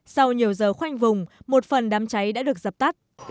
sau nhiều giờ khoanh vùng một phần đám cháy đã được dập tắt